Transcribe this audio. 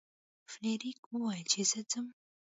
فلیریک وویل چې زه ځم.